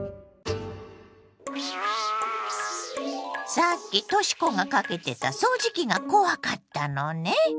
さっきとし子がかけてた掃除機が怖かったのね。